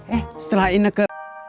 eh setelah ineke